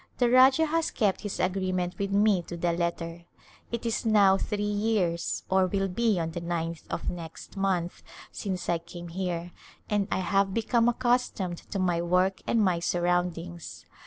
The Rajah has kept his agreement with me to the letter. It is now three years, or will be on the ninth of next month, since I came here and I have be come accustomed to my work and my surroundings.